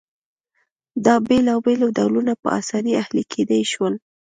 دا بېلابېل ډولونه په اسانۍ اهلي کېدای شول